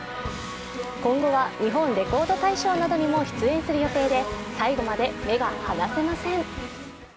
今後は「日本レコード大賞」などにも出演する予定で、最後まで目が離せません。